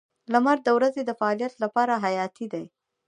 • لمر د ورځې د فعالیت لپاره حیاتي دی.